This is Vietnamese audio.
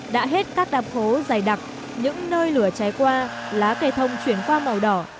đã hết các đạp hố dày đặc những nơi lửa cháy qua lá cây thông chuyển qua màu đỏ